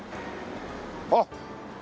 あっ！